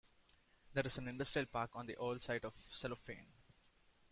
There is an industrial park on the old site of Cellophane.